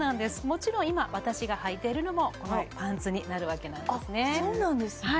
もちろん今私がはいているのもこのパンツになるわけなんですねそうなんですね